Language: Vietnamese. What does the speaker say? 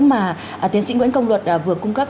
mà tiến sĩ nguyễn công luật vừa cung cấp